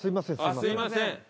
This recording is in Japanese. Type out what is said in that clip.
すみません。